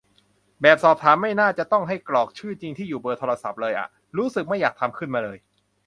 แบบสอบถามไม่น่าจะต้องให้กรอกชื่อจริง ที่อยู่ เบอร์โทรศัพท์ เลยอะ รู้สึกไม่อยากทำขึ้นมาเลย